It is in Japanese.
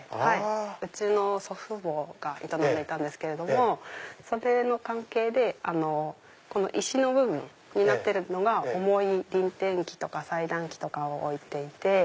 うちの祖父母がいたんですけどもそれの関係で石の部分になってるのが重い輪転機とか裁断機とかを置いていて。